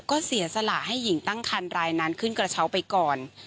ก็เสียสละให้หญิงตั้งคันรายนั้นขึ้นกระเช้าไปก่อน